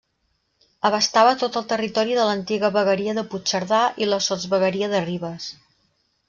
Abastava tot el territori de l’antiga vegueria de Puigcerdà i la sotsvegueria de Ribes.